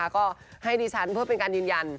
ก็ให้ดิฉันเพื่อเป็นการยืนยัน